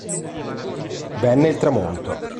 Venne il tramonto.